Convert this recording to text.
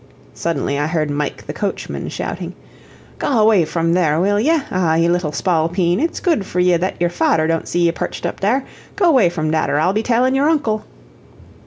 Suddenly I heard Mike the coachman shouting: "Go away from there, will ye? Ah, ye little spalpeen, it's good for ye that yer fahder don't see ye perched up dhere. Go way from dhat, or I'll be tellin' yer uncle."